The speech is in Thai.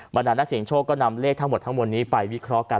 บรรดานักเสียงโชคก็นำเลขทั้งหมดทั้งมวลนี้ไปวิเคราะห์กัน